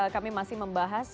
kami masih membahas